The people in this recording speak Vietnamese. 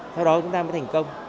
sau đó chúng ta mới thành công